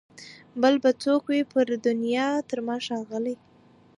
بل به څوک وي پر دنیا تر ما ښاغلی